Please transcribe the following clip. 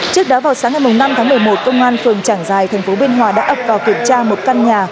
trước đó vào sáng ngày năm tháng một mươi một công an phường trảng giài thành phố biên hòa đã ập vào kiểm tra một căn nhà